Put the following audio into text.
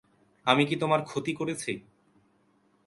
আমি কি তোমার ক্ষতি করেছি?